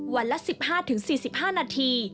วันละ๑๕๔๕นาที